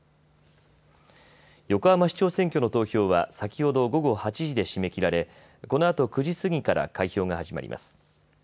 横浜市長選挙の投票は先ほど午後８時で締め切られこのあと９時過ぎから開票が始まります。